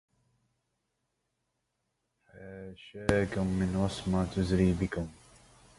حاشاكم من وصمة تزري بكم